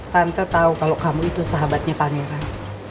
tante tahu kalau kamu itu sahabatnya pangeran